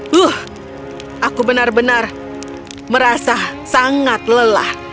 huh aku benar benar merasa sangat lelah